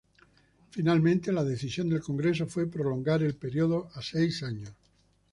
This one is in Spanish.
Finalmente la decisión del congreso fue prolongar el periodo a seis años.